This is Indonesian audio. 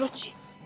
apa sih lu